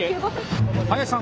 林さん